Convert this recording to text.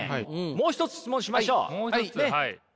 もう一つ質問しましょう。